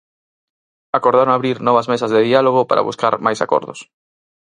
Acordaron abrir novas mesas de diálogo para buscar máis acordos.